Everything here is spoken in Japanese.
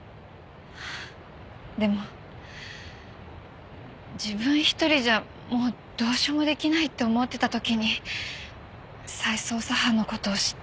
でも自分一人じゃもうどうしようも出来ないって思ってた時に再捜査班の事を知って。